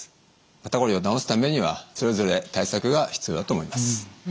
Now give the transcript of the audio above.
肩こりを治すためにはそれぞれ対策が必要だと思います。